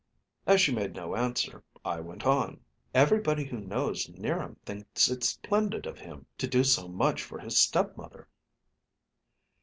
As she made no answer, I went on. "Everybody who knows 'Niram thinks it splendid of him to do so much for his stepmother."